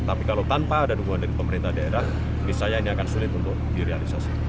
tapi kalau tanpa ada dukungan dari pemerintah daerah misalnya ini akan sulit untuk direalisasi